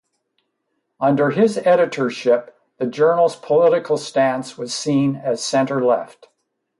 Under his editorship the journal's political stance was seen as centre-left.